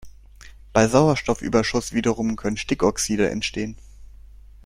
Bei Sauerstoffüberschuss wiederum können Stickoxide entstehen.